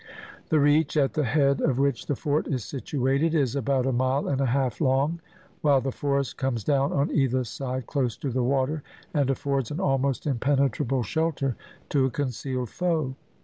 The reach, at the head of which the fort is situated, is about a mile and a half long, while the forest comes down on either side, close to the water, and affords an almost impenetrable shelter to a concealed foe.